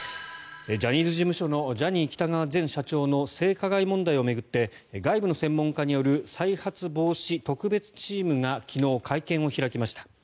ジャニーズ事務所のジャニー喜多川前社長の性加害問題を巡って外部の専門家による再発防止特別チームが昨日、会見を開きました。